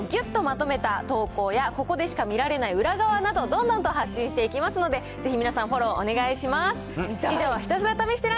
先ほどＶＴＲにあった情報をぎゅっとまとめた投稿や、ここでしか見られない裏側など、どんどんと発信していきますので、ぜひ皆さん、フォローをお願いします。